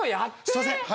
すいません。